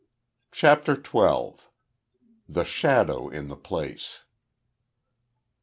CHAPTER TWELVE. THE SHADOW IN THE PLACE.